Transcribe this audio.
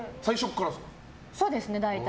そうですね、大体。